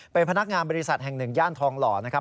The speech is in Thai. เป็นพนักงานบริษัทแห่งหนึ่งย่านทองหล่อนะครับ